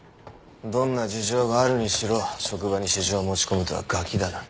どんな事情があるにしろ職場に私情を持ち込むとはガキだな。